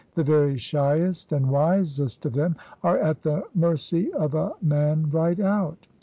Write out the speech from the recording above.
The very shyest and wisest of them are at the mercy of a man right out.